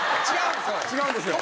違うんですよ。